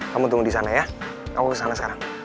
kamu tunggu di sana ya aku ke sana sekarang